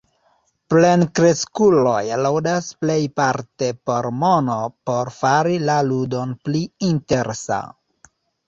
Plenkreskuloj ludas plejparte por mono por fari la ludon pli interesa.